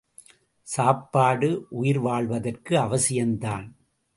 சாப்பாடு உயிர் வாழ்வதற்கு அவசியந்தான்.